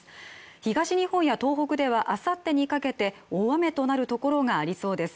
東日本や東北では、あさってにかけて大雨となるところがありそうです。